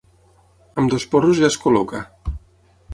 Amb dos porros ja es col·loca.